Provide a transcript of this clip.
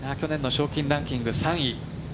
去年の賞金ランキング３位。